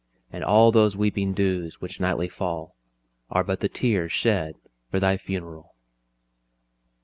And all those weeping dews which nightly fall, Are but the tears shed for thy funeral."